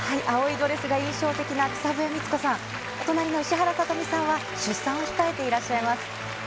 青いドレスが印象的な草笛光子さん、隣の石原さとみさんは出産を控えていらっしゃいます。